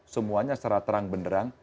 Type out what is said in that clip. semuanya secara terang beneran